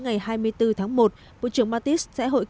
ngày hai mươi bốn tháng một bộ trưởng mattis